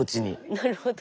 なるほど。